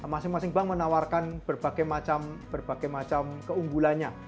masing masing bank menawarkan berbagai macam keunggulannya